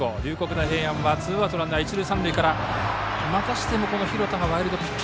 大平安はツーアウトランナー一塁三塁からまたしても廣田がワイルドピッチ。